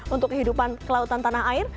untuk kehidupan kelautan tanah air